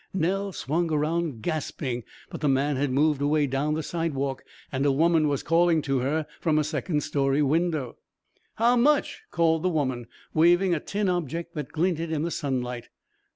Nell swung around, gasping, but the man had moved away down the sidewalk and a woman was calling to her from a second story window. "How much?" called the woman, waving a tin object that glinted in the sunlight.